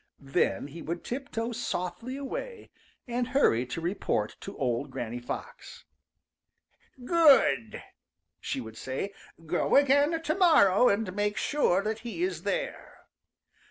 Then he would tiptoe softly away and hurry to report to old Granny Fox. "Good!" she would say. "Go again, to morrow and make sure that he is. there."